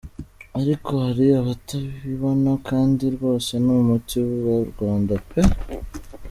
Ariko, hari abatabibona, kandi rwose ni umuti w’u Rwanda pe!